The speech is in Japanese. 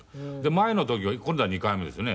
前の時は今度は２回目ですよね。